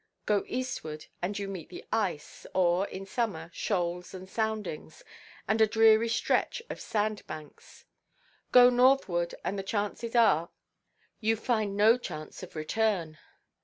Go eastward, and you meet the ice, or (in summer) shoals and soundings, and a dreary stretch of sand–banks. Go northward, and the chances are that you find no chance of return.